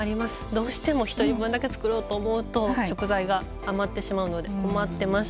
どうしても１人分だけ作ろうと思うと食材が余ってしまうので困ってました。